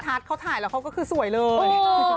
เขาถ่ายแล้วเขาก็คือสวยเลย